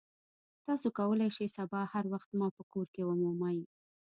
تاسو کولی شئ سبا هر وخت ما په کور کې ومومئ